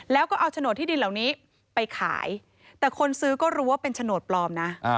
แล้วก็เอาโฉนดที่ดินเหล่านี้ไปขายแต่คนซื้อก็รู้ว่าเป็นโฉนดปลอมนะ